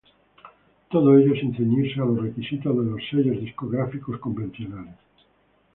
Todo ello sin ceñirse a los requisitos de los sellos discográficos convencionales.